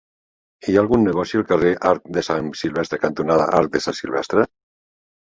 Hi ha algun negoci al carrer Arc de Sant Silvestre cantonada Arc de Sant Silvestre?